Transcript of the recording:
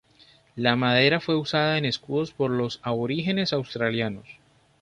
La madera fue usada en escudos por los aborígenes australianos.